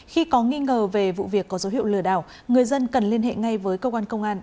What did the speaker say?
khi có nghi ngờ về vụ việc có dấu hiệu lừa đảo người dân cần liên hệ ngay với cơ quan công an